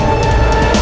itu apaan ya